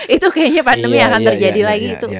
itu kayaknya pandemi akan terjadi lagi itu